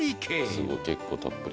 すごい結構たっぷり。